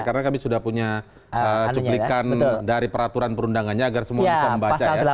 karena kami sudah punya cuplikan dari peraturan perundangannya agar semua bisa membaca ya